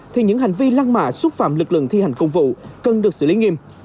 thì những hành vi lăng mạ xúc phạm lực lượng thi hành công vụ cần được xử lý nghiêm